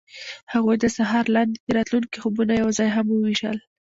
هغوی د سهار لاندې د راتلونکي خوبونه یوځای هم وویشل.